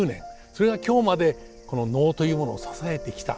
それが今日までこの能というものを支えてきた。